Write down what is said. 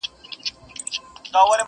ګړی وروسته مرغه کښته سو له بامه,